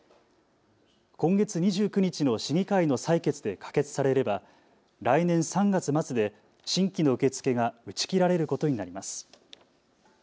今月２９日の市議会の採決で可決されれば来年３月末で新規の受け付けが打ち切られることになります。